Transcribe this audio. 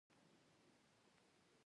له هغه خپلې هم هېرې دي.